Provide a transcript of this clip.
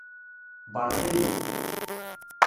Beṛka-iyi.